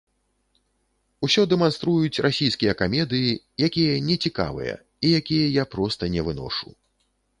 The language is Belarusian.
Усё дэманструюць расійскія камедыі, якія не цікавыя, і якія я проста не выношу.